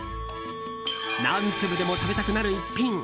何粒でも食べたくなる逸品。